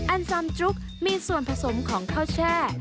ซำจุ๊กมีส่วนผสมของข้าวแช่